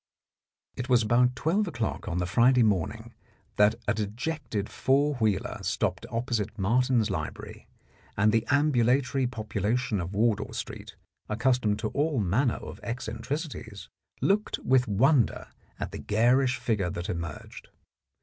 It was about twelve o'clock on the Friday morning that a dejected four wheeler stopped opposite Martin's Library, and the ambulatory population of Wardour Street, accustomed to all manner of eccen tricities, looked with wonder at the garish figure that emerged.